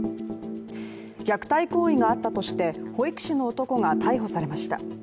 虐待行為があったとして、保育士の男が退歩されました。